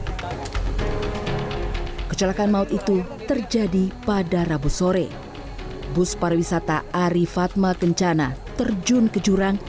hai kecelakaan maut itu terjadi pada rabu sore bus pariwisata ari fatma kencana terjun ke jurang